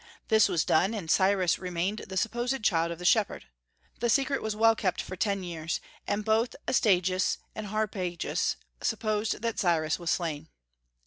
This was done, and Cyrus remained the supposed child of the shepherd. The secret was well kept for ten years, and both Astyages and Harpagus supposed that Cyrus was slain.